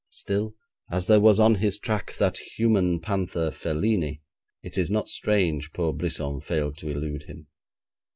Still, as there was on his track that human panther, Felini, it is not strange poor Brisson failed to elude him.